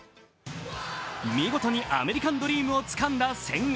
見事にアメリカンドリームをつかんだ千賀。